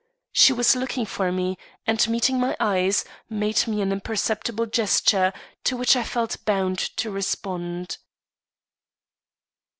She was looking for me, and, meeting my eyes, made me an imperceptible gesture, to which I felt bound to respond.